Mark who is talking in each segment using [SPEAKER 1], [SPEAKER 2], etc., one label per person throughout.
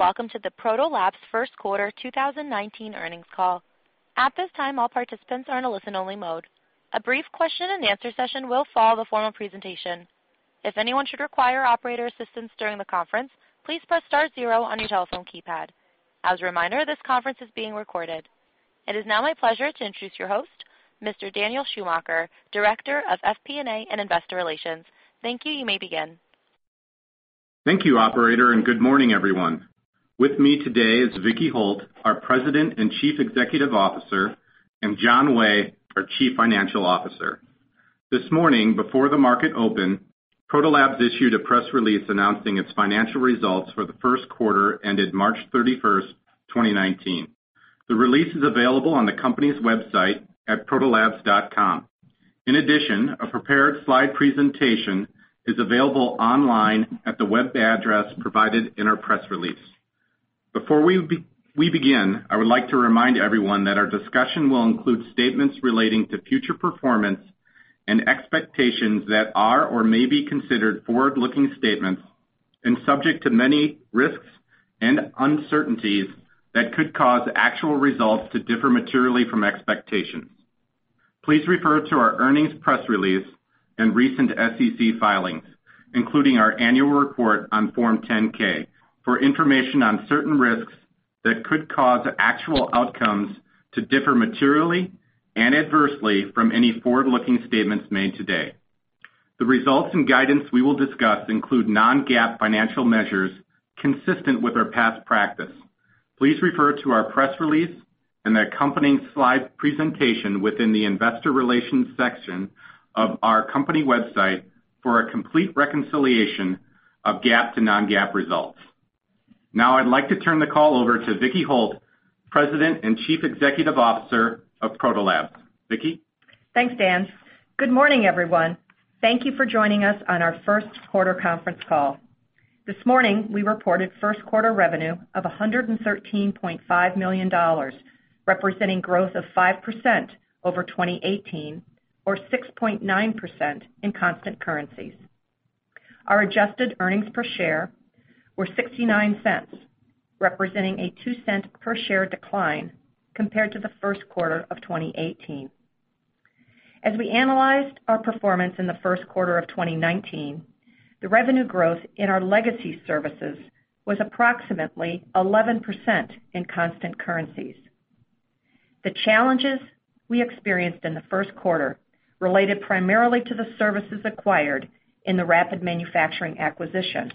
[SPEAKER 1] Welcome to the Proto Labs first quarter 2019 earnings call. At this time, all participants are in a listen-only mode. A brief question and answer session will follow the formal presentation. If anyone should require operator assistance during the conference, please press star zero on your telephone keypad. As a reminder, this conference is being recorded. It is now my pleasure to introduce your host, Mr. Daniel Schumacher, Director of FP&A and Investor Relations. Thank you. You may begin.
[SPEAKER 2] Thank you operator, and good morning everyone. With me today is Vicki Holt, our President and Chief Executive Officer, and John Way, our Chief Financial Officer. This morning, before the market opened, Proto Labs issued a press release announcing its financial results for the first quarter ended March 31, 2019. The release is available on the company's website at protolabs.com. In addition, a prepared slide presentation is available online at the web address provided in our press release. Before we begin, I would like to remind everyone that our discussion will include statements relating to future performance and expectations that are or may be considered forward-looking statements and subject to many risks and uncertainties that could cause actual results to differ materially from expectations. Please refer to our earnings press release and recent SEC filings, including our annual report on Form 10-K, for information on certain risks that could cause actual outcomes to differ materially and adversely from any forward-looking statements made today. The results and guidance we will discuss include non-GAAP financial measures consistent with our past practice. Please refer to our press release and accompanying slide presentation within the investor relations section of our company website for a complete reconciliation of GAAP to non-GAAP results. Now I'd like to turn the call over to Vicki Holt, President and Chief Executive Officer of Proto Labs. Vicki?
[SPEAKER 3] Thanks, Dan. Good morning, everyone. Thank you for joining us on our first quarter conference call. This morning, we reported first quarter revenue of $113.5 million, representing growth of 5% over 2018 or 6.9% in constant currencies. Our adjusted earnings per share were $0.69, representing a $0.02 per share decline compared to the first quarter of 2018. As we analyzed our performance in the first quarter of 2019, the revenue growth in our legacy services was approximately 11% in constant currencies. The challenges we experienced in the first quarter related primarily to the services acquired in the Rapid Manufacturing acquisition.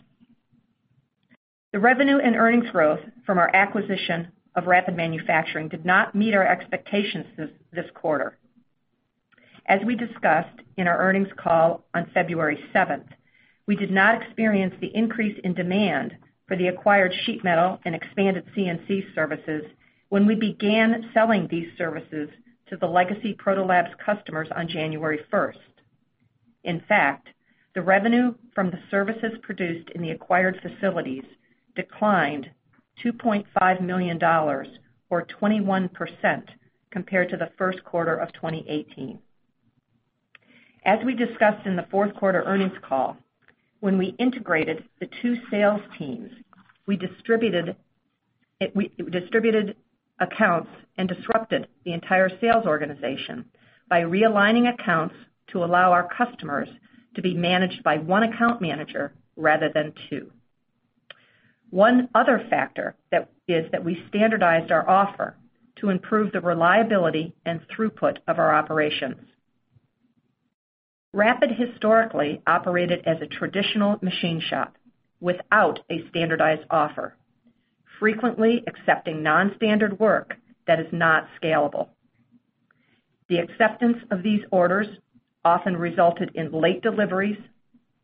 [SPEAKER 3] The revenue and earnings growth from our acquisition of Rapid Manufacturing did not meet our expectations this quarter. As we discussed in our earnings call on February 7th, we did not experience the increase in demand for the acquired sheet metal and expanded CNC services when we began selling these services to the legacy Proto Labs customers on January 1st. In fact, the revenue from the services produced in the acquired facilities declined $2.5 million or 21% compared to the first quarter of 2018. As we discussed in the fourth quarter earnings call, when we integrated the two sales teams, we distributed accounts and disrupted the entire sales organization by realigning accounts to allow our customers to be managed by one account manager rather than two. One other factor is that we standardized our offer to improve the reliability and throughput of our operations. Rapid historically operated as a traditional machine shop without a standardized offer, frequently accepting non-standard work that is not scalable. The acceptance of these orders often resulted in late deliveries,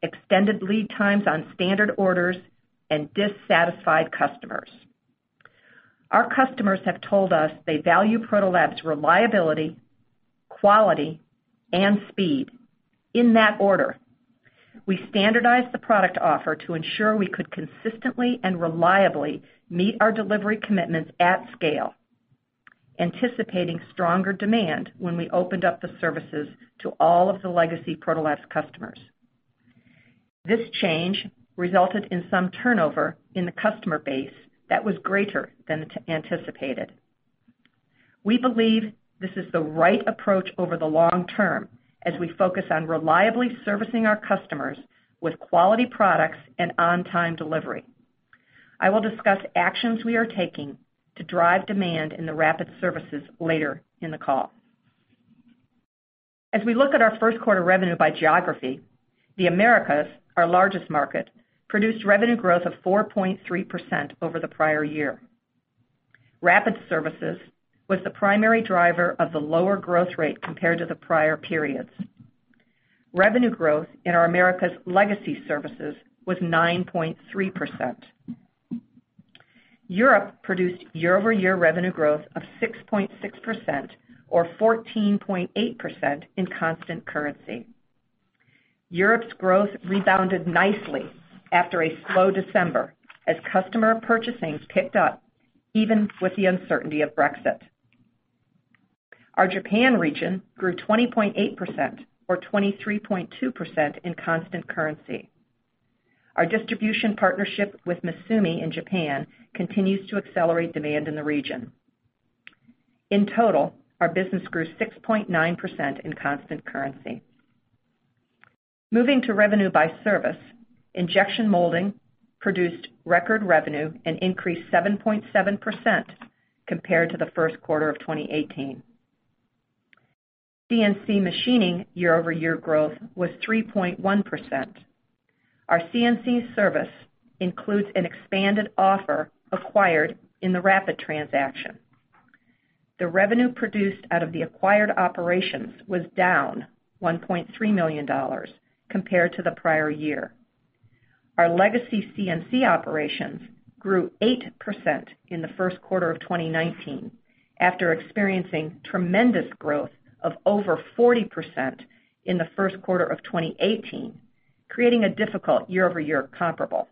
[SPEAKER 3] extended lead times on standard orders, and dissatisfied customers. Our customers have told us they value Proto Labs' reliability, quality, and speed in that order. We standardized the product offer to ensure we could consistently and reliably meet our delivery commitments at scale, anticipating stronger demand when we opened up the services to all of the legacy Proto Labs customers. This change resulted in some turnover in the customer base that was greater than anticipated. We believe this is the right approach over the long term as we focus on reliably servicing our customers with quality products and on-time delivery. I will discuss actions we are taking to drive demand in the Rapid services later in the call. As we look at our first quarter revenue by geography, the Americas, our largest market, produced revenue growth of 4.3% over the prior year. Rapid services was the primary driver of the lower growth rate compared to the prior periods. Revenue growth in our Americas legacy services was 9.3%. Europe produced year-over-year revenue growth of 6.6%, or 14.8% in constant currency. Europe's growth rebounded nicely after a slow December as customer purchasing picked up even with the uncertainty of Brexit. Our Japan region grew 20.8%, or 23.2% in constant currency. Our distribution partnership with Misumi in Japan continues to accelerate demand in the region. In total, our business grew 6.9% in constant currency. Moving to revenue by service, Injection Molding produced record revenue and increased 7.7% compared to the first quarter of 2018. CNC machining year-over-year growth was 3.1%. Our CNC service includes an expanded offer acquired in the Rapid transaction. The revenue produced out of the acquired operations was down $1.3 million compared to the prior year. Our legacy CNC operations grew 8% in the first quarter of 2019, after experiencing tremendous growth of over 40% in the first quarter of 2018, creating a difficult year-over-year comparable.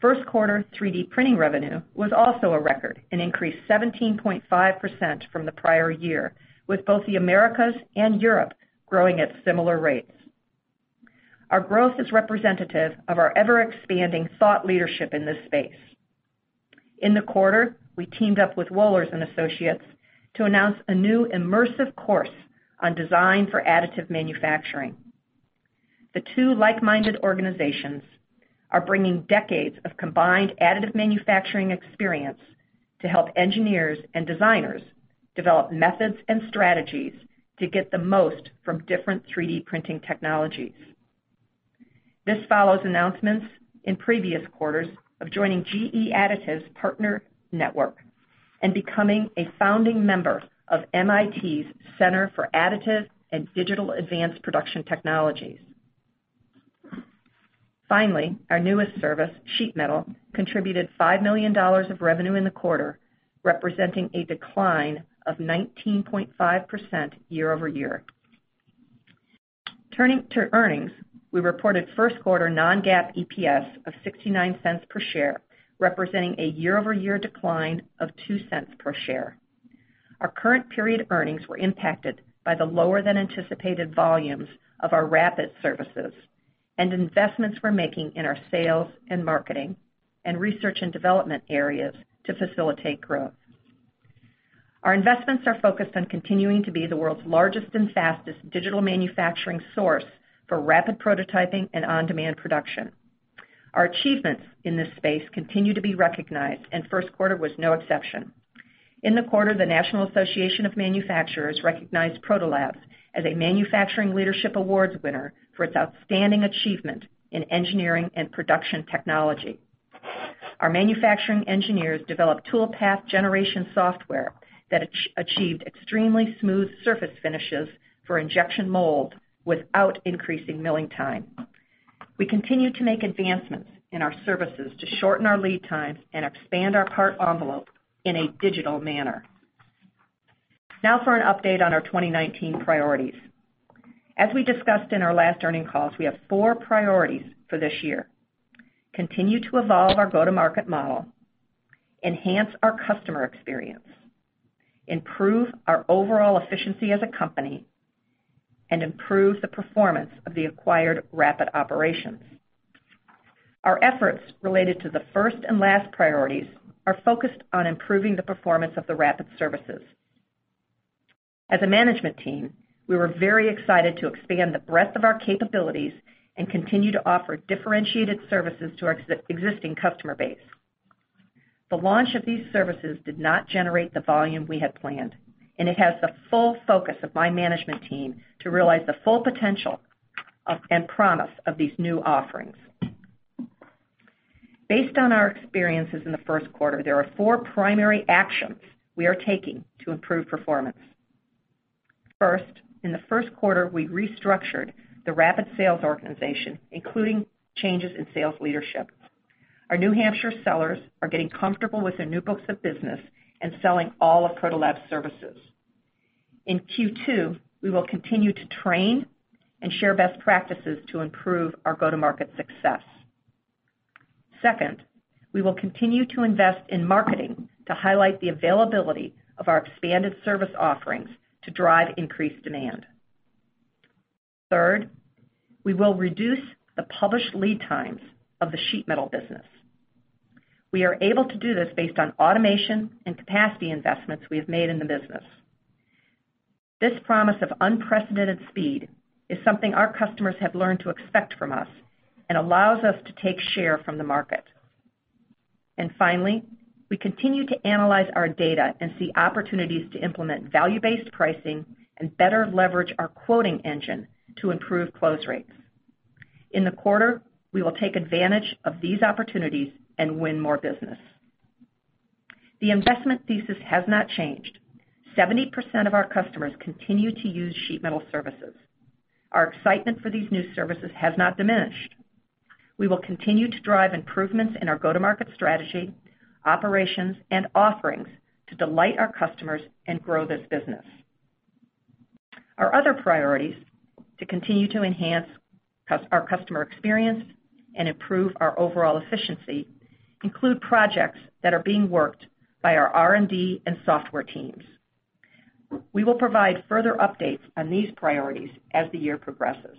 [SPEAKER 3] First quarter 3D printing revenue was also a record, and increased 17.5% from the prior year, with both the Americas and Europe growing at similar rates. Our growth is representative of our ever-expanding thought leadership in this space. In the quarter, we teamed up with Wohlers Associates to announce a new immersive course on design for additive manufacturing. The two like-minded organizations are bringing decades of combined additive manufacturing experience to help engineers and designers develop methods and strategies to get the most from different 3D printing technologies. This follows announcements in previous quarters of joining GE Additive's Partner Network and becoming a founding member of MIT's Center for Additive and Digital Advanced Production Technologies. Finally, our newest service, sheet metal, contributed $5 million of revenue in the quarter, representing a decline of 19.5% year-over-year. Turning to earnings, we reported first quarter non-GAAP EPS of $0.69 per share, representing a year-over-year decline of $0.02 per share. Our current period earnings were impacted by the lower-than-anticipated volumes of our Rapid services and investments we're making in our sales and marketing, and research and development areas to facilitate growth. Our investments are focused on continuing to be the world's largest and fastest digital manufacturing source for rapid prototyping and on-demand production. Our achievements in this space continue to be recognized, and first quarter was no exception. In the quarter, the National Association of Manufacturers recognized Proto Labs as a Manufacturing Leadership Awards winner for its outstanding achievement in engineering and production technology. Our manufacturing engineers developed tool path generation software that achieved extremely smooth surface finishes for injection mold without increasing milling time. We continue to make advancements in our services to shorten our lead times and expand our part envelope in a digital manner. Now for an update on our 2019 priorities. As we discussed in our last earning calls, we have four priorities for this year: continue to evolve our go-to-market model, enhance our customer experience, improve our overall efficiency as a company, and improve the performance of the acquired Rapid operations. Our efforts related to the first and last priorities are focused on improving the performance of the Rapid services. As a management team, we were very excited to expand the breadth of our capabilities and continue to offer differentiated services to our existing customer base. The launch of these services did not generate the volume we had planned, and it has the full focus of my management team to realize the full potential and promise of these new offerings. Based on our experiences in the first quarter, there are four primary actions we are taking to improve performance. First, in the first quarter, we restructured the Rapid sales organization, including changes in sales leadership. Our New Hampshire sellers are getting comfortable with their new books of business and selling all of Proto Labs' services. In Q2, we will continue to train and share best practices to improve our go-to-market success. Second, we will continue to invest in marketing to highlight the availability of our expanded service offerings to drive increased demand. Third, we will reduce the published lead times of the sheet metal business. We are able to do this based on automation and capacity investments we have made in the business. This promise of unprecedented speed is something our customers have learned to expect from us and allows us to take share from the market. Finally, we continue to analyze our data and see opportunities to implement value-based pricing and better leverage our quoting engine to improve close rates. In the quarter, we will take advantage of these opportunities and win more business. The investment thesis has not changed. 70% of our customers continue to use sheet metal services. Our excitement for these new services has not diminished. We will continue to drive improvements in our go-to-market strategy, operations, and offerings to delight our customers and grow this business. Our other priorities to continue to enhance our customer experience and improve our overall efficiency include projects that are being worked by our R&D and software teams. We will provide further updates on these priorities as the year progresses.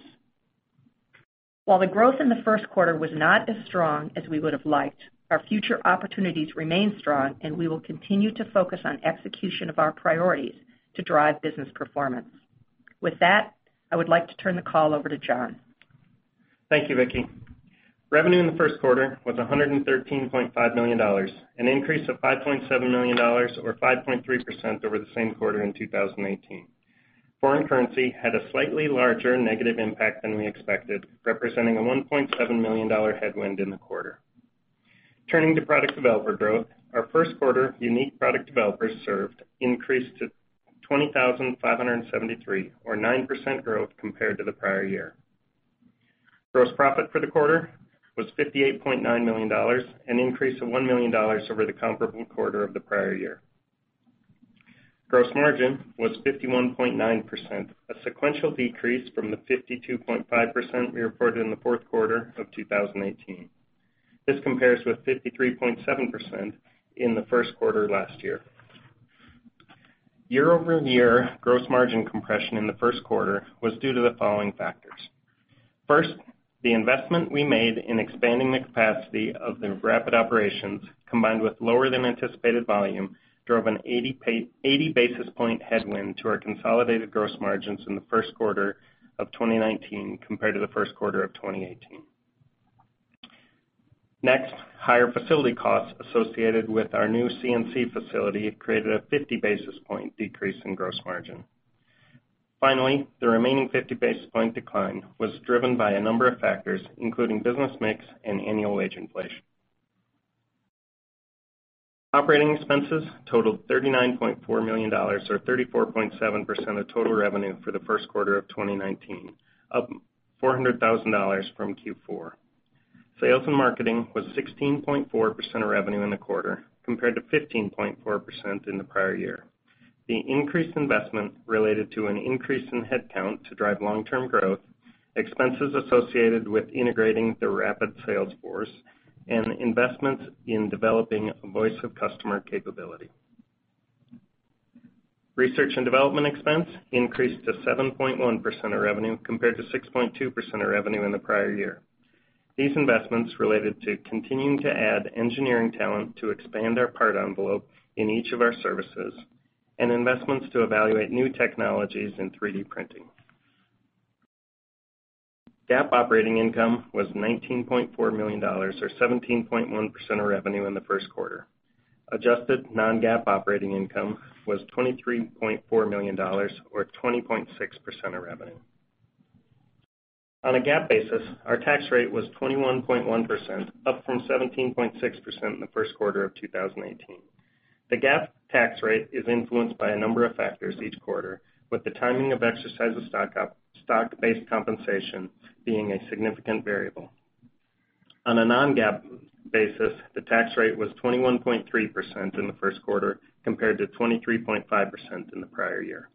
[SPEAKER 3] While the growth in the first quarter was not as strong as we would've liked, our future opportunities remain strong, and we will continue to focus on execution of our priorities to drive business performance. With that, I would like to turn the call over to John.
[SPEAKER 4] Thank you, Vicki. Revenue in the first quarter was $113.5 million, an increase of $5.7 million or 5.3% over the same quarter in 2018. Foreign currency had a slightly larger negative impact than we expected, representing a $1.7 million headwind in the quarter. Turning to product developer growth, our first quarter unique product developers served increased to 20,573, or 9% growth compared to the prior year. Gross profit for the quarter was $58.9 million, an increase of $1 million over the comparable quarter of the prior year. Gross margin was 51.9%, a sequential decrease from the 52.5% we reported in the fourth quarter of 2018. This compares with 53.7% in the first quarter last year. Year-over-year gross margin compression in the first quarter was due to the following factors. First, the investment we made in expanding the capacity of the Rapid operations, combined with lower than anticipated volume, drove an 80 basis point headwind to our consolidated gross margins in the first quarter of 2019 compared to the first quarter of 2018. Next, higher facility costs associated with our new CNC facility created a 50 basis point decrease in gross margin. Finally, the remaining 50 basis point decline was driven by a number of factors, including business mix and annual wage inflation. Operating expenses totaled $39.4 million, or 34.7% of total revenue for the first quarter of 2019, up $400,000 from Q4. Sales and marketing was 16.4% of revenue in the quarter, compared to 15.4% in the prior year. The increased investment related to an increase in head count to drive long-term growth, expenses associated with integrating the Rapid sales force, and investments in developing a voice of customer capability. Research and development expense increased to 7.1% of revenue, compared to 6.2% of revenue in the prior year. These investments related to continuing to add engineering talent to expand our part envelope in each of our services and investments to evaluate new technologies in 3D printing. GAAP operating income was $19.4 million, or 17.1% of revenue in the first quarter. Adjusted non-GAAP operating income was $23.4 million, or 20.6% of revenue. On a GAAP basis, our tax rate was 21.1%, up from 17.6% in the first quarter of 2018. The GAAP tax rate is influenced by a number of factors each quarter, with the timing of exercise of stock-based compensation being a significant variable. On a non-GAAP basis, the tax rate was 21.3% in the first quarter, compared to 23.5% in the prior year.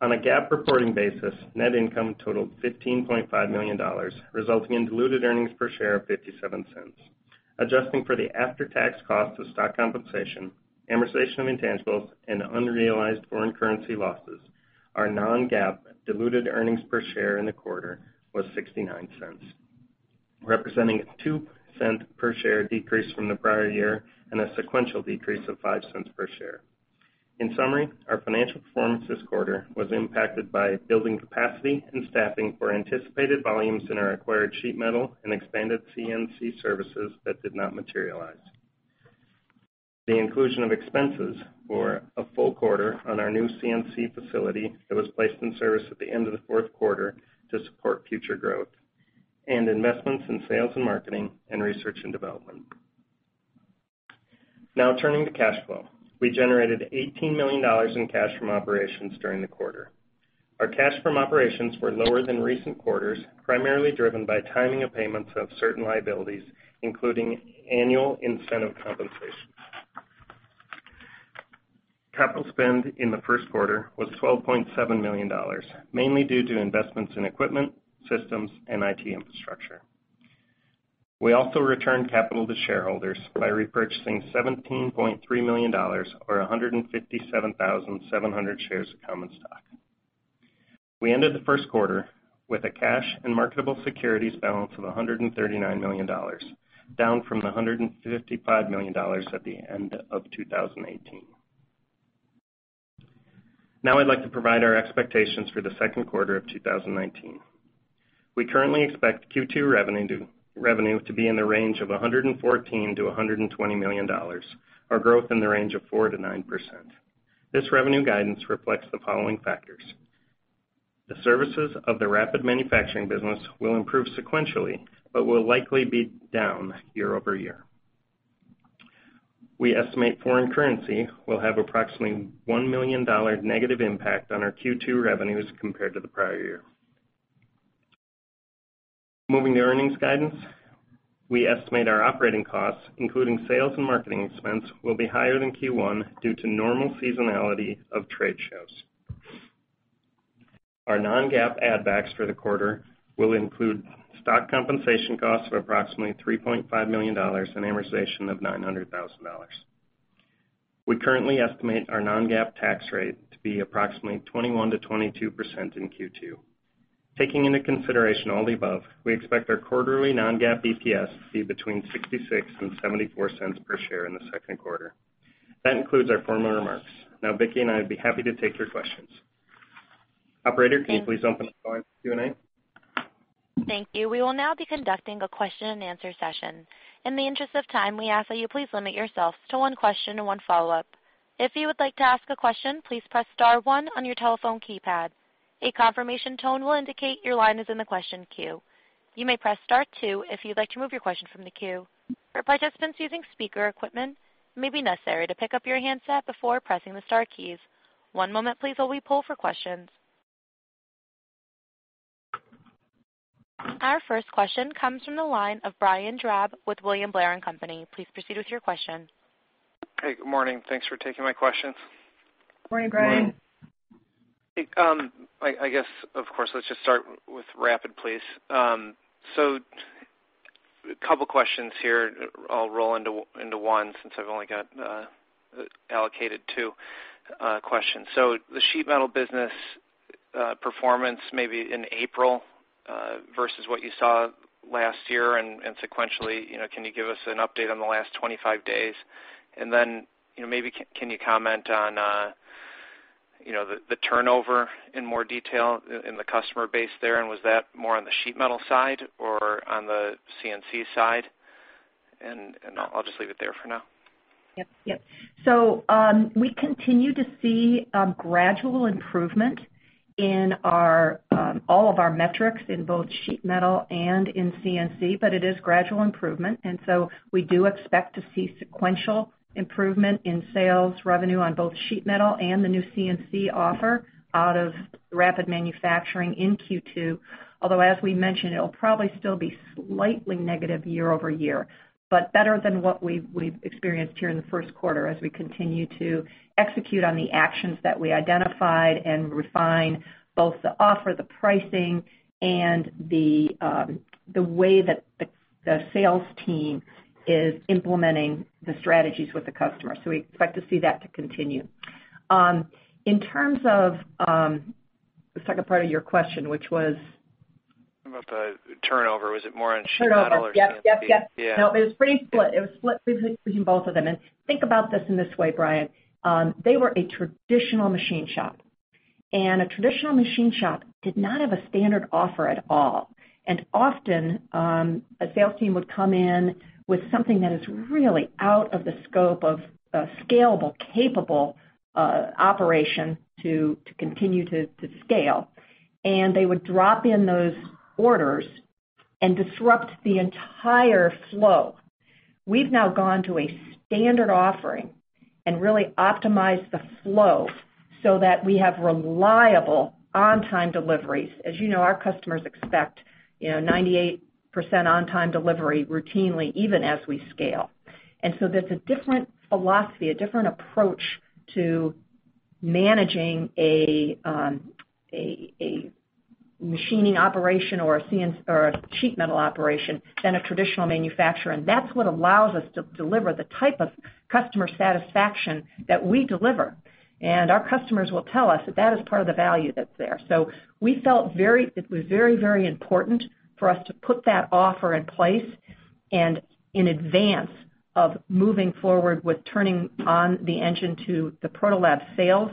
[SPEAKER 4] On a GAAP reporting basis, net income totaled $15.5 million, resulting in diluted earnings per share of $0.57. Adjusting for the after-tax cost of stock compensation, amortization of intangibles, and unrealized foreign currency losses, our non-GAAP diluted earnings per share in the quarter was $0.69, representing a $0.02 per share decrease from the prior year and a sequential decrease of $0.05 per share. In summary, our financial performance this quarter was impacted by building capacity and staffing for anticipated volumes in our acquired sheet metal and expanded CNC services that did not materialize. The inclusion of expenses for a full quarter on our new CNC facility that was placed in service at the end of the fourth quarter to support future growth, and investments in sales and marketing and research and development. Turning to cash flow. We generated $18 million in cash from operations during the quarter. Our cash from operations were lower than recent quarters, primarily driven by timing of payments of certain liabilities, including annual incentive compensations. Capital spend in the first quarter was $12.7 million, mainly due to investments in equipment, systems, and IT infrastructure. We also returned capital to shareholders by repurchasing $17.3 million, or 157,700 shares of common stock. We ended the first quarter with a cash and marketable securities balance of $139 million, down from the $155 million at the end of 2018. I'd like to provide our expectations for the second quarter of 2019. We currently expect Q2 revenue to be in the range of $114 million-$120 million, or growth in the range of 4%-9%. This revenue guidance reflects the following factors. The services of the Rapid Manufacturing business will improve sequentially, but will likely be down year-over-year. We estimate foreign currency will have approximately $1 million negative impact on our Q2 revenues compared to the prior year. Moving to earnings guidance. We estimate our operating costs, including sales and marketing expense, will be higher than Q1 due to normal seasonality of trade shows. Our non-GAAP add backs for the quarter will include stock compensation costs of approximately $3.5 million and amortization of $900,000. We currently estimate our non-GAAP tax rate to be approximately 21%-22% in Q2. Taking into consideration all the above, we expect our quarterly non-GAAP EPS to be between $0.66 and $0.84 per share in the second quarter. That concludes our formal remarks. Vicki and I'd be happy to take your questions. Operator, can you please open the floor for Q&A?
[SPEAKER 1] Thank you. We will now be conducting a question and answer session. In the interest of time, we ask that you please limit yourself to one question and one follow-up. If you would like to ask a question, please press star one on your telephone keypad. A confirmation tone will indicate your line is in the question queue. You may press star two if you'd like to remove your question from the queue. For participants using speaker equipment, it may be necessary to pick up your handset before pressing the star keys. One moment please while we pull for questions. Our first question comes from the line of Brian Drab with William Blair & Company. Please proceed with your question.
[SPEAKER 5] Hey, good morning. Thanks for taking my questions.
[SPEAKER 3] Good morning, Brian.
[SPEAKER 5] I guess, of course, let's just start with Rapid, please. A couple questions here I'll roll into one since I've only got allocated two questions. The sheet metal business performance maybe in April, versus what you saw last year and sequentially, can you give us an update on the last 25 days? Then, maybe can you comment on the turnover in more detail in the customer base there, and was that more on the sheet metal side or on the CNC side? I'll just leave it there for now.
[SPEAKER 3] Yep. We continue to see a gradual improvement in all of our metrics in both sheet metal and in CNC, but it is gradual improvement. We do expect to see sequential improvement in sales revenue on both sheet metal and the new CNC offer out of Rapid Manufacturing in Q2. Although as we mentioned, it'll probably still be slightly negative year-over-year, but better than what we've experienced here in the first quarter as we continue to execute on the actions that we identified and refine both the offer, the pricing, and the way that the sales team is implementing the strategies with the customer. We expect to see that to continue. In terms of the second part of your question, which was
[SPEAKER 5] About the turnover, was it more on sheet metal or CNC?
[SPEAKER 3] Turnover. Yep.
[SPEAKER 5] Yeah.
[SPEAKER 3] It was pretty split. It was split between both of them. Think about this in this way, Brian. They were a traditional machine shop. A traditional machine shop did not have a standard offer at all. Often, a sales team would come in with something that is really out of the scope of a scalable, capable operation to continue to scale. They would drop in those orders and disrupt the entire flow. We've now gone to a standard offering and really optimized the flow so that we have reliable on-time deliveries. As you know, our customers expect 98% on-time delivery routinely, even as we scale. There's a different philosophy, a different approach to managing a machining operation or a sheet metal operation than a traditional manufacturer. That's what allows us to deliver the type of customer satisfaction that we deliver. Our customers will tell us that that is part of the value that's there. We felt it was very important for us to put that offer in place and in advance of moving forward with turning on the engine to the Proto Labs sales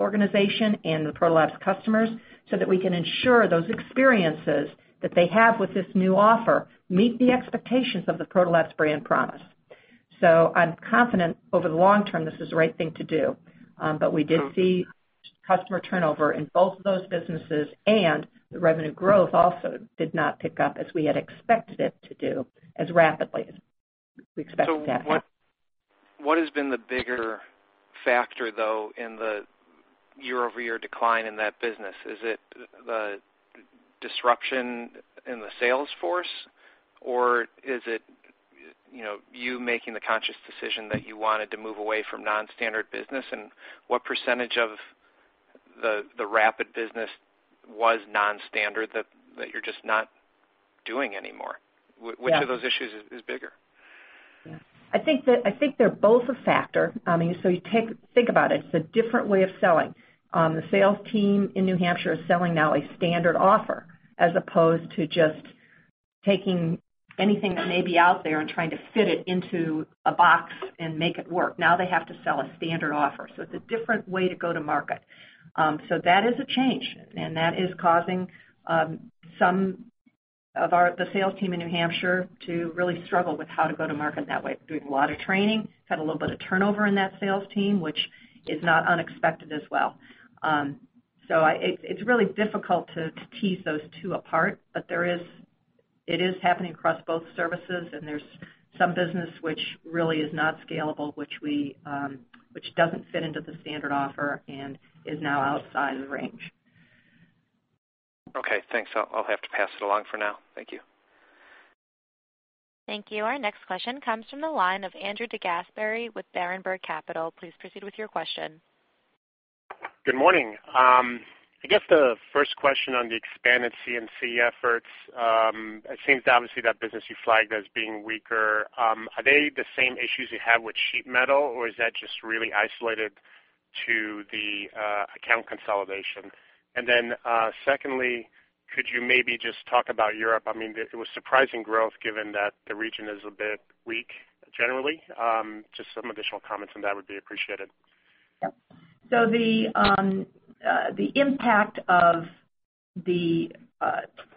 [SPEAKER 3] organization and the Proto Labs customers, so that we can ensure those experiences that they have with this new offer meet the expectations of the Proto Labs brand promise. I'm confident over the long term this is the right thing to do. We did see customer turnover in both of those businesses, and the revenue growth also did not pick up as we had expected it to do as rapidly as we expected that.
[SPEAKER 5] What has been the bigger factor, though, in the year-over-year decline in that business? Is it the disruption in the sales force, or is it you making the conscious decision that you wanted to move away from non-standard business? What % of the Rapid business was non-standard that you're just not doing anymore?
[SPEAKER 3] Yeah.
[SPEAKER 5] Which of those issues is bigger?
[SPEAKER 3] I think they're both a factor. Think about it. It's a different way of selling. The sales team in New Hampshire is selling now a standard offer as opposed to just taking anything that may be out there and trying to fit it into a box and make it work. Now they have to sell a standard offer, so it's a different way to go to market. That is a change, and that is causing some of the sales team in New Hampshire to really struggle with how to go to market that way. We're doing a lot of training. Had a little bit of turnover in that sales team, which is not unexpected as well. It's really difficult to tease those two apart, but it is happening across both services and there's some business which really is not scalable, which doesn't fit into the standard offer and is now outside the range.
[SPEAKER 5] Okay, thanks. I'll have to pass it along for now. Thank you.
[SPEAKER 1] Thank you. Our next question comes from the line of Andrew DeGasperi with Berenberg Capital. Please proceed with your question.
[SPEAKER 6] Good morning. I guess the first question on the expanded CNC efforts, it seems obviously that business you flagged as being weaker. Are they the same issues you had with sheet metal, or is that just really isolated to the account consolidation? Secondly, could you maybe just talk about Europe? It was surprising growth given that the region is a bit weak generally. Just some additional comments on that would be appreciated.
[SPEAKER 3] Yep. The impact of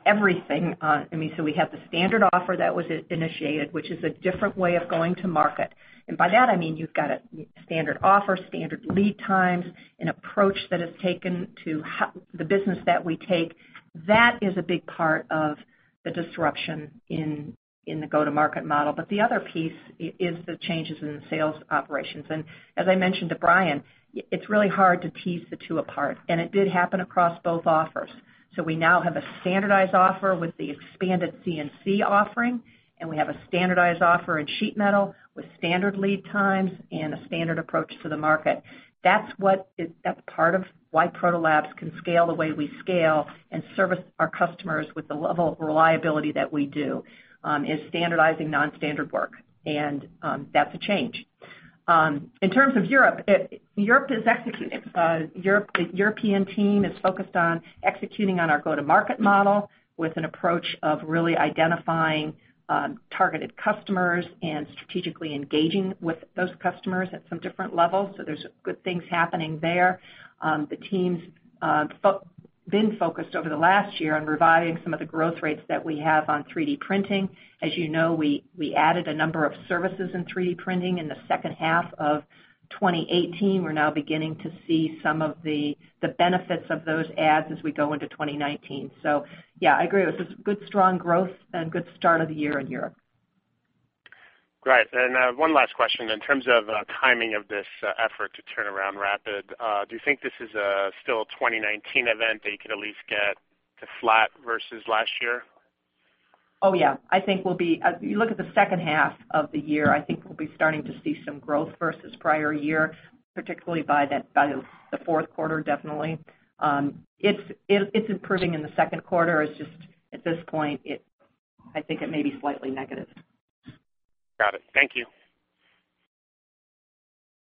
[SPEAKER 3] everything, we have the standard offer that was initiated, which is a different way of going to market. By that, I mean you've got a standard offer, standard lead times, an approach that is taken to the business that we take. That is a big part of the disruption in the go-to-market model. The other piece is the changes in the sales operations. As I mentioned to Brian, it's really hard to tease the two apart, and it did happen across both offers. We now have a standardized offer with the expanded CNC offering, and we have a standardized offer in sheet metal with standard lead times and a standard approach to the market. That's part of why Proto Labs can scale the way we scale and service our customers with the level of reliability that we do, is standardizing non-standard work. That's a change. In terms of Europe, the European team is focused on executing on our go-to-market model with an approach of really identifying targeted customers and strategically engaging with those customers at some different levels. There's good things happening there. The team's been focused over the last year on reviving some of the growth rates that we have on 3D printing. As you know, we added a number of services in 3D printing in the second half of 2018. We're now beginning to see some of the benefits of those adds as we go into 2019. Yeah, I agree with, it's good strong growth and good start of the year in Europe.
[SPEAKER 6] Great. One last question. In terms of timing of this effort to turn around Rapid, do you think this is a still 2019 event that you could at least get to flat versus last year?
[SPEAKER 3] Oh, yeah. If you look at the second half of the year, I think we'll be starting to see some growth versus prior year, particularly by the fourth quarter, definitely. It's improving in the second quarter. It's just at this point, I think it may be slightly negative.
[SPEAKER 6] Got it. Thank you.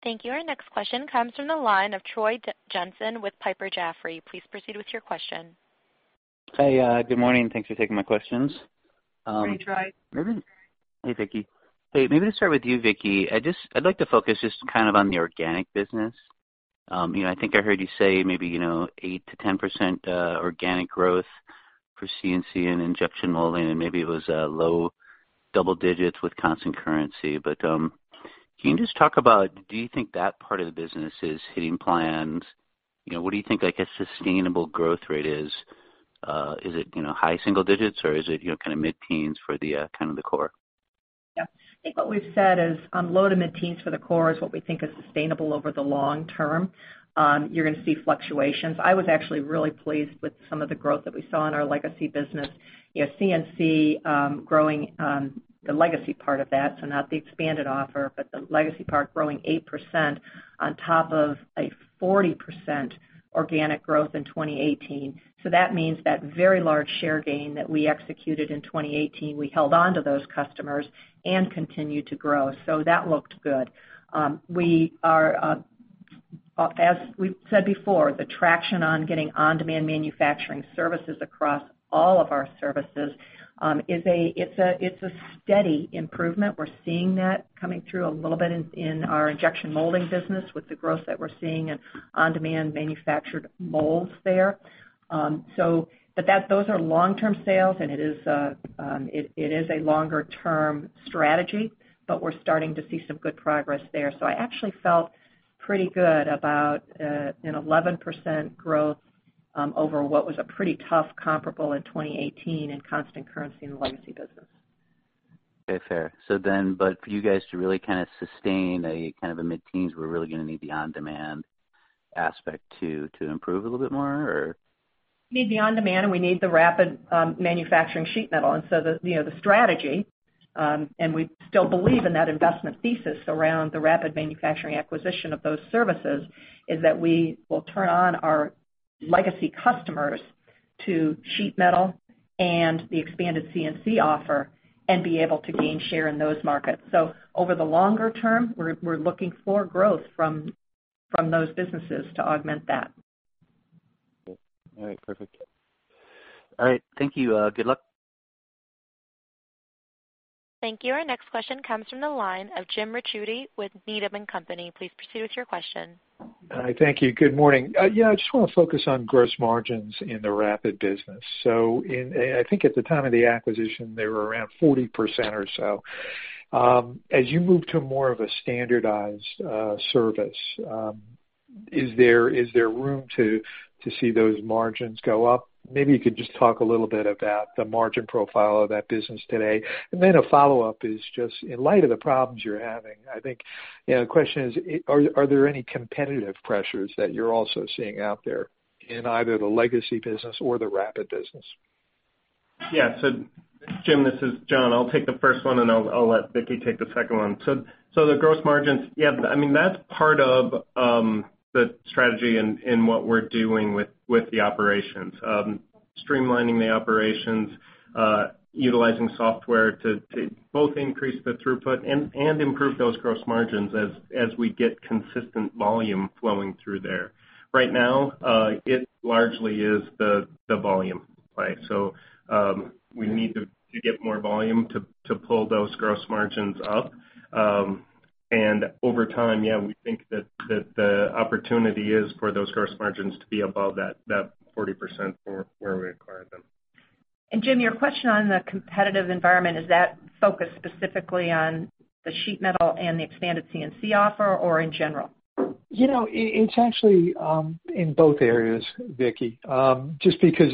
[SPEAKER 1] Thank you. Our next question comes from the line of Troy Jensen with Piper Jaffray. Please proceed with your question.
[SPEAKER 7] Hey, good morning. Thanks for taking my questions.
[SPEAKER 3] Morning, Troy.
[SPEAKER 7] Hey, Vicki. Hey, maybe to start with you, Vicki, I'd like to focus just on the organic business. I think I heard you say maybe 8%-10% organic growth for CNC and Injection Molding, and maybe it was low double digits with constant currency. Can you just talk about, do you think that part of the business is hitting plans? What do you think a sustainable growth rate is? Is it high single digits, or is it mid-teens for the core?
[SPEAKER 3] Yeah. I think what we've said is low to mid-teens for the core is what we think is sustainable over the long term. You're going to see fluctuations. I was actually really pleased with some of the growth that we saw in our legacy business. CNC growing the legacy part of that, so not the expanded offer, but the legacy part growing 8% on top of a 40% organic growth in 2018. That means that very large share gain that we executed in 2018, we held onto those customers and continued to grow. That looked good. As we've said before, the traction on getting on-demand manufacturing services across all of our services, it's a steady improvement. We're seeing that coming through a little bit in our Injection Molding business with the growth that we're seeing in on-demand manufactured molds there. Those are long-term sales, and it is a longer-term strategy, but we're starting to see some good progress there. I actually felt pretty good about an 11% growth over what was a pretty tough comparable in 2018 in constant currency in the legacy business.
[SPEAKER 7] Okay. Fair. For you guys to really sustain a mid-teens, we're really going to need the on-demand aspect to improve a little bit more or?
[SPEAKER 3] We need the on-demand, and we need the Rapid Manufacturing sheet metal. The strategy, and we still believe in that investment thesis around the Rapid Manufacturing acquisition of those services, is that we will turn on our legacy customers to sheet metal and the expanded CNC offer and be able to gain share in those markets. Over the longer term, we're looking for growth from those businesses to augment that.
[SPEAKER 7] All right, perfect. All right. Thank you. Good luck.
[SPEAKER 1] Thank you. Our next question comes from the line of James Ricchiuti with Needham & Company. Please proceed with your question.
[SPEAKER 8] Hi. Thank you. Good morning. I just want to focus on gross margins in the Rapid business. I think at the time of the acquisition, they were around 40% or so. As you move to more of a standardized service Is there room to see those margins go up? Maybe you could just talk a little bit about the margin profile of that business today. Then a follow-up is just in light of the problems you're having, I think the question is, are there any competitive pressures that you're also seeing out there in either the legacy business or the Rapid business?
[SPEAKER 4] Jim, this is John. I'll take the first one, and I'll let Vicki take the second one. The gross margins. That's part of the strategy in what we're doing with the operations. Streamlining the operations, utilizing software to both increase the throughput and improve those gross margins as we get consistent volume flowing through there. Right now, it largely is the volume. We need to get more volume to pull those gross margins up. Over time, we think that the opportunity is for those gross margins to be above that 40% for where we acquired them.
[SPEAKER 3] Jim, your question on the competitive environment, is that focused specifically on the sheet metal and the expanded CNC offer, or in general?
[SPEAKER 8] It's actually in both areas, Vicki. Just because,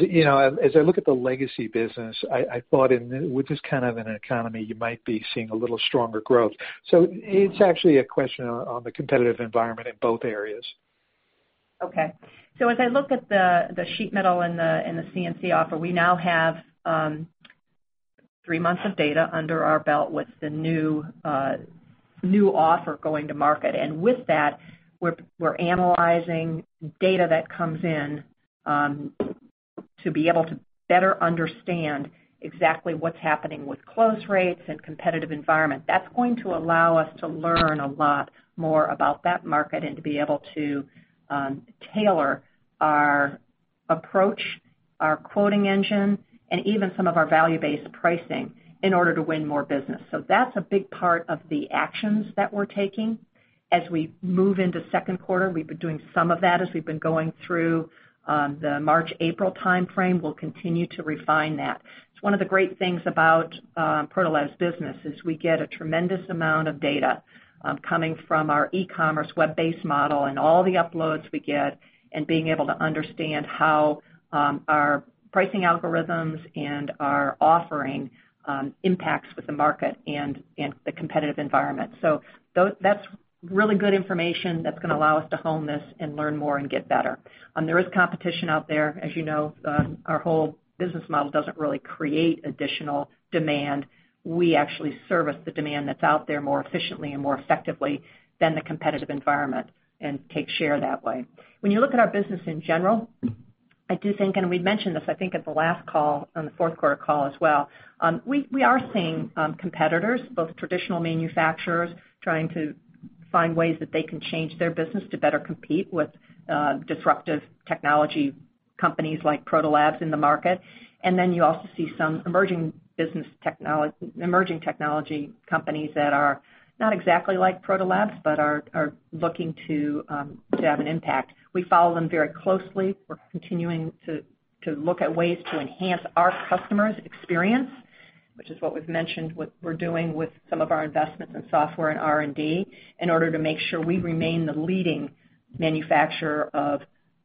[SPEAKER 8] as I look at the legacy business, I thought with this kind of an economy, you might be seeing a little stronger growth. It's actually a question on the competitive environment in both areas.
[SPEAKER 3] Okay. As I look at the sheet metal and the CNC offer, we now have three months of data under our belt with the new offer going to market. With that, we're analyzing data that comes in to be able to better understand exactly what's happening with close rates and competitive environment. That's going to allow us to learn a lot more about that market and to be able to tailor our approach, our quoting engine, and even some of our value-based pricing in order to win more business. That's a big part of the actions that we're taking as we move into second quarter. We've been doing some of that as we've been going through the March, April timeframe. We'll continue to refine that. It's one of the great things about Proto Labs business is we get a tremendous amount of data coming from our e-commerce web-based model and all the uploads we get, and being able to understand how our pricing algorithms and our offering impacts with the market and the competitive environment. That's really good information that's going to allow us to hone this and learn more and get better. There is competition out there. As you know, our whole business model doesn't really create additional demand. We actually service the demand that's out there more efficiently and more effectively than the competitive environment and take share that way. When you look at our business in general, I do think, and we mentioned this, I think, at the last call, on the fourth quarter call as well, we are seeing competitors, both traditional manufacturers, trying to find ways that they can change their business to better compete with disruptive technology companies like Proto Labs in the market. You also see some emerging technology companies that are not exactly like Proto Labs, but are looking to have an impact. We follow them very closely. We're continuing to look at ways to enhance our customers' experience, which is what we've mentioned what we're doing with some of our investments in software and R&D in order to make sure we remain the leading manufacturer of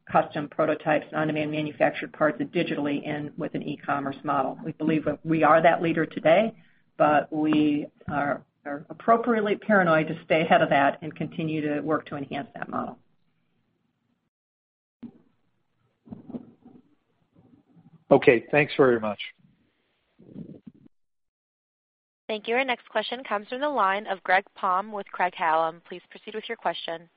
[SPEAKER 3] custom prototypes and on-demand manufactured parts digitally and with an e-commerce model. We believe we are that leader today, but we are appropriately paranoid to stay ahead of that and continue to work to enhance that model.
[SPEAKER 8] Okay, thanks very much.
[SPEAKER 1] Thank you. Our next question comes from the line of Greg Palm with Craig-Hallum. Please proceed with your question.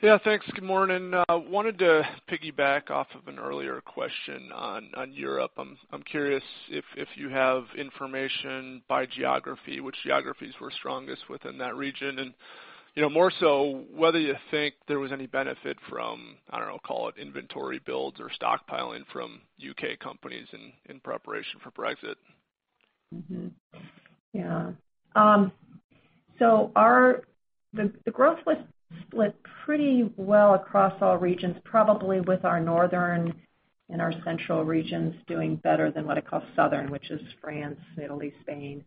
[SPEAKER 9] Thanks. Good morning. Wanted to piggyback off of an earlier question on Europe. I'm curious if you have information by geography, which geographies were strongest within that region. More so, whether you think there was any benefit from, I don't know, call it inventory builds or stockpiling from U.K. companies in preparation for Brexit.
[SPEAKER 3] The growth was split pretty well across all regions, probably with our northern and our central regions doing better than what I call southern, which is France, Italy, Spain.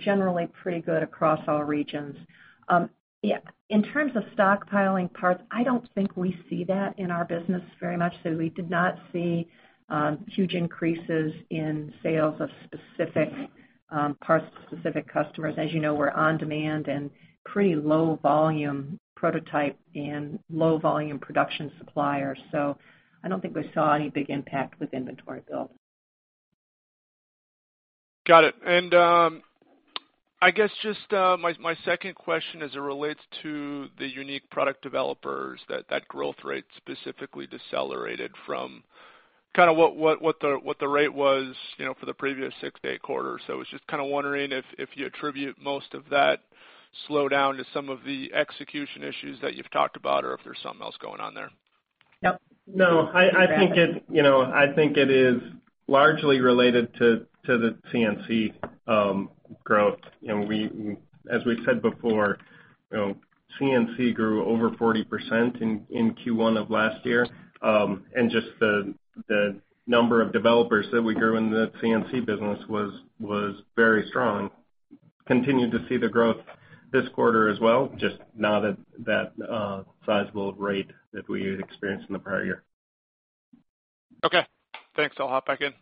[SPEAKER 3] Generally pretty good across all regions. In terms of stockpiling parts, I don't think we see that in our business very much. We did not see huge increases in sales of specific parts to specific customers. As you know, we're on-demand and pretty low volume prototype and low volume production supplier. I don't think we saw any big impact with inventory build.
[SPEAKER 9] Got it. I guess just my second question as it relates to the unique product developers, that growth rate specifically decelerated from kind of what the rate was for the previous six or eight quarters. I was just kind of wondering if you attribute most of that slowdown to some of the execution issues that you've talked about or if there's something else going on there.
[SPEAKER 3] Yep.
[SPEAKER 4] No, I think it is largely related to the CNC growth. As we've said before, CNC grew over 40% in Q1 of last year. Just the number of developers that we grew in the CNC business was very strong. We continue to see the growth this quarter as well, just not at that sizable rate that we had experienced in the prior year.
[SPEAKER 9] Okay, thanks. I'll hop back in.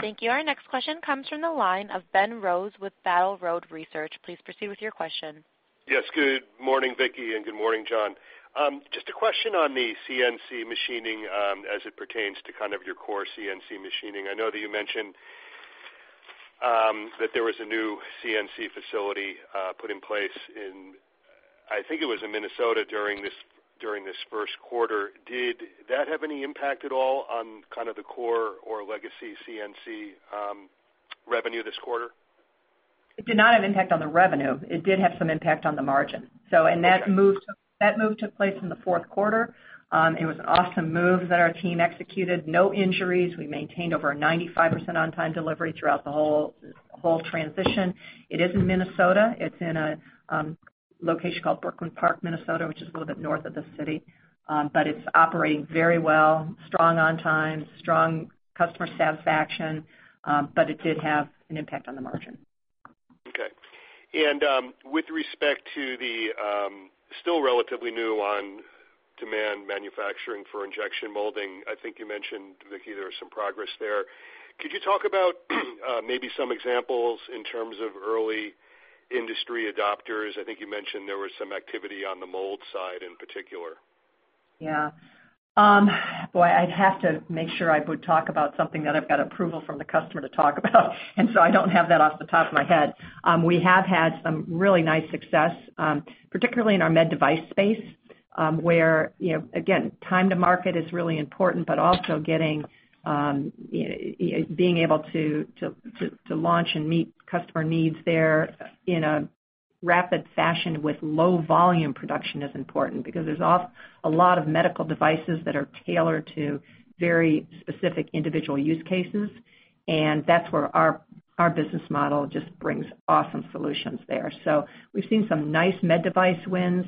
[SPEAKER 1] Thank you. Our next question comes from the line of Ben Rose with Battle Road Research. Please proceed with your question.
[SPEAKER 10] Yes. Good morning, Vicki, and good morning, John. Just a question on the CNC machining as it pertains to kind of your core CNC machining. I know that you mentioned that there was a new CNC facility put in place in, I think it was in Minnesota during this first quarter. Did that have any impact at all on kind of the core or legacy CNC revenue this quarter?
[SPEAKER 3] It did not have impact on the revenue. It did have some impact on the margin.
[SPEAKER 10] Okay.
[SPEAKER 3] That move took place in the fourth quarter. It was an awesome move that our team executed. No injuries. We maintained over a 95% on-time delivery throughout the whole transition. It is in Minnesota. It's in a location called Brooklyn Park, Minnesota, which is a little bit north of the city. It's operating very well, strong on time, strong customer satisfaction, but it did have an impact on the margin.
[SPEAKER 10] Okay. With respect to the still relatively new on-demand manufacturing for Injection Molding, I think you mentioned, Vicki, there was some progress there. Could you talk about maybe some examples in terms of early industry adopters? I think you mentioned there was some activity on the mold side in particular.
[SPEAKER 3] Yeah. Boy, I'd have to make sure I would talk about something that I've got approval from the customer to talk about. I don't have that off the top of my head. We have had some really nice success, particularly in our med device space, where, again, time to market is really important, but also being able to launch and meet customer needs there in a rapid fashion with low volume production is important because there's a lot of medical devices that are tailored to very specific individual use cases, and that's where our business model just brings awesome solutions there. We've seen some nice med device wins.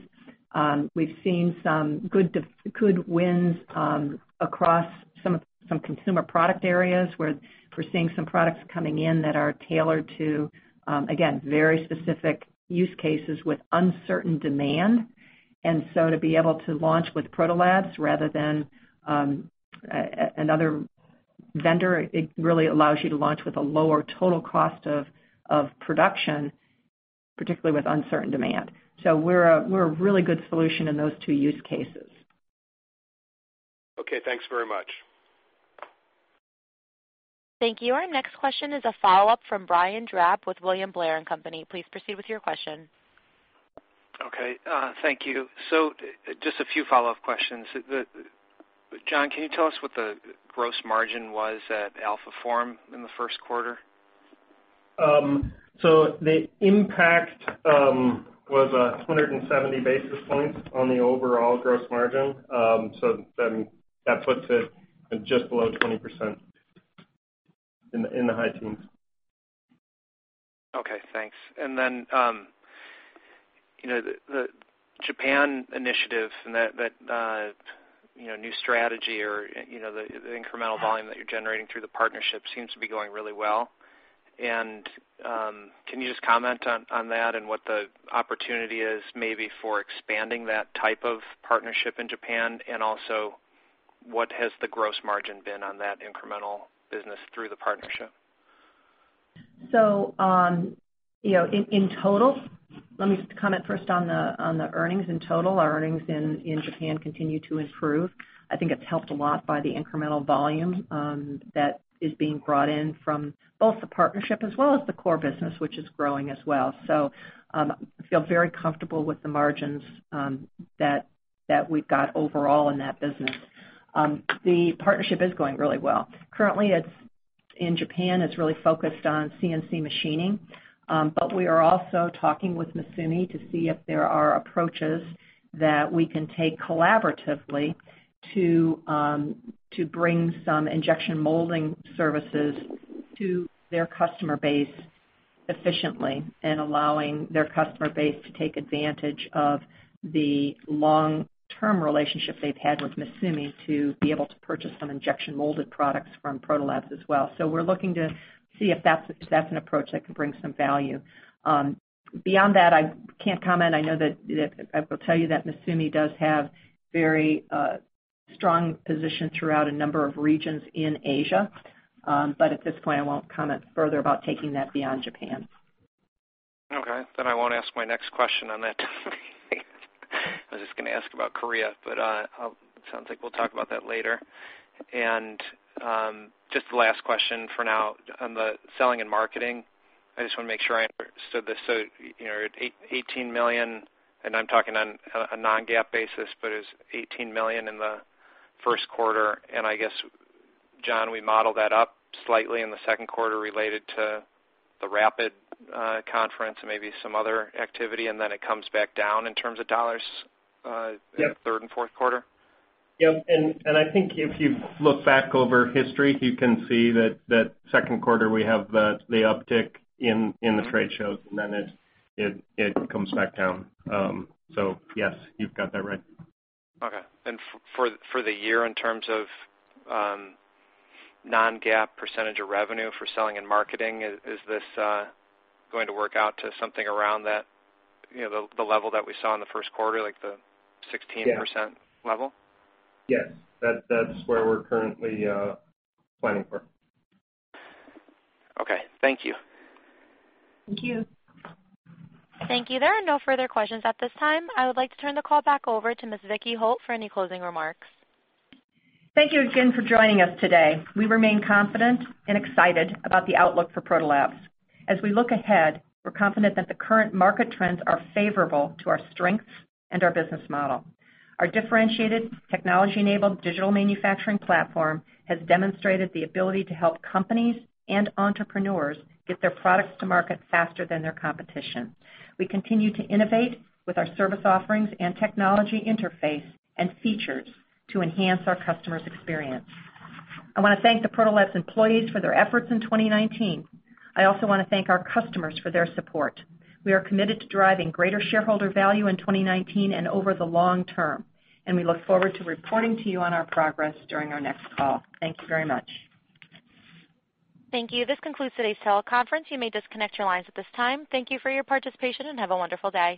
[SPEAKER 3] We've seen some good wins across some consumer product areas where we're seeing some products coming in that are tailored to, again, very specific use cases with uncertain demand. To be able to launch with Proto Labs rather than another vendor, it really allows you to launch with a lower total cost of production, particularly with uncertain demand. We're a really good solution in those two use cases.
[SPEAKER 10] Okay, thanks very much.
[SPEAKER 1] Thank you. Our next question is a follow-up from Brian Drab with William Blair & Co. Please proceed with your question.
[SPEAKER 5] Okay, thank you. Just a few follow-up questions. John, can you tell us what the gross margin was at Alphaform in the first quarter?
[SPEAKER 4] The impact was [270 basis points] on the overall gross margin. That puts it at just below 20% in the high teens.
[SPEAKER 5] Okay, thanks. The Japan initiative and that new strategy or the incremental volume that you're generating through the partnership seems to be going really well. Can you just comment on that and what the opportunity is maybe for expanding that type of partnership in Japan? Also what has the gross margin been on that incremental business through the partnership?
[SPEAKER 3] In total, let me just comment first on the earnings in total. Our earnings in Japan continue to improve. I think it's helped a lot by the incremental volume that is being brought in from both the partnership as well as the core business, which is growing as well. I feel very comfortable with the margins that we've got overall in that business. The partnership is going really well. Currently in Japan, it's really focused on CNC machining. We are also talking with Misumi to see if there are approaches that we can take collaboratively to bring some Injection Molding services to their customer base efficiently and allowing their customer base to take advantage of the long-term relationship they've had with Misumi to be able to purchase some injection molded products from Proto Labs as well. We're looking to see if that's an approach that can bring some value. Beyond that, I can't comment. I will tell you that Misumi does have very strong position throughout a number of regions in Asia. At this point, I won't comment further about taking that beyond Japan.
[SPEAKER 5] Okay. I won't ask my next question on that. I was just going to ask about Korea, but it sounds like we'll talk about that later. Just the last question for now on the selling and marketing. I just want to make sure I understood this. At $18 million, I'm talking on a non-GAAP basis, but it was $18 million in the first quarter, and I guess, John, we model that up slightly in the second quarter related to the Rapid conference and maybe some other activity, and then it comes back down in terms of dollars-
[SPEAKER 4] Yes
[SPEAKER 5] in the third and fourth quarter?
[SPEAKER 4] Yep. I think if you look back over history, you can see that second quarter we have the uptick in the trade shows, then it comes back down. Yes, you've got that right.
[SPEAKER 5] Okay. For the year, in terms of non-GAAP percentage of revenue for selling and marketing, is this going to work out to something around the level that we saw in the first quarter, like the 16% level?
[SPEAKER 4] Yes. That's where we're currently planning for.
[SPEAKER 5] Okay. Thank you.
[SPEAKER 3] Thank you.
[SPEAKER 1] Thank you. There are no further questions at this time. I would like to turn the call back over to Ms. Vicki Holt for any closing remarks.
[SPEAKER 3] Thank you again for joining us today. We remain confident and excited about the outlook for Proto Labs. We look ahead, we're confident that the current market trends are favorable to our strengths and our business model. Our differentiated technology-enabled digital manufacturing platform has demonstrated the ability to help companies and entrepreneurs get their products to market faster than their competition. We continue to innovate with our service offerings and technology interface and features to enhance our customers' experience. I want to thank the Proto Labs employees for their efforts in 2019. I also want to thank our customers for their support. We are committed to driving greater shareholder value in 2019 and over the long term, we look forward to reporting to you on our progress during our next call. Thank you very much.
[SPEAKER 1] Thank you. This concludes today's teleconference. You may disconnect your lines at this time. Thank you for your participation, have a wonderful day.